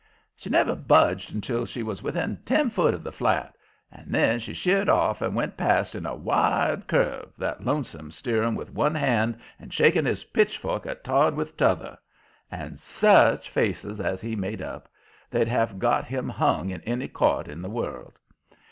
She never budged until she was within ten foot of the flat, and then she sheered off and went past in a wide curve, with Lonesome steering with one hand and shaking his pitchfork at Todd with t'other. And SUCH faces as he made up! They'd have got him hung in any court in the world.